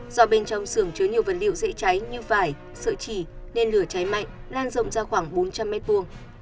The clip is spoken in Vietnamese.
do bên trong xưởng chứa nhiều vật liệu dễ cháy như vải sợi chỉ nên lửa cháy mạnh lan rộng ra khoảng bốn trăm linh mét vuông